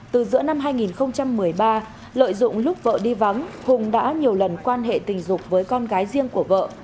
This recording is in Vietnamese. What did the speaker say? từ giữa năm hai nghìn một mươi ba lợi dụng lúc vợ đi vắng hùng đã nhiều lần quan hệ tình dục với con gái riêng của vợ